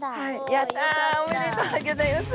やったおめでとうギョざいます！